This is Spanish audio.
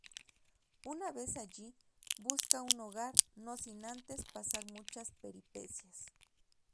Una vez allí, busca un hogar, no sin antes pasar muchas peripecias.